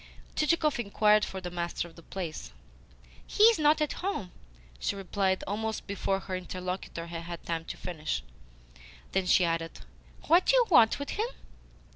Chichikov inquired for the master of the place. "He is not at home," she replied, almost before her interlocutor had had time to finish. Then she added: "What do you want with him?"